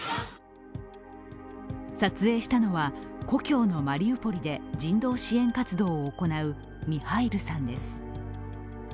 撮影したのは故郷のマリウポリで人道支援活動を行うミハイルさんです。